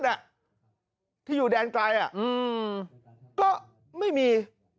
น่ะที่อยู่แดนไกลอ่ะก็ไม่มี